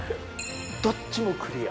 どっちもクリア。